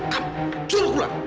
kamu jual pulang